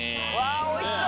おいしそう！